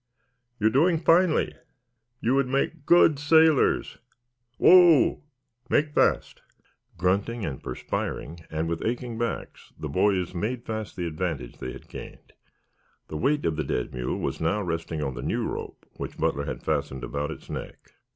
You're doing finely. You would make good sailors. Whoa! Make fast." Grunting and perspiring, and with aching backs, the boys made fast the advantage they had gained. The weight of the dead mule was now resting on the new rope which Butler had fastened about its neck.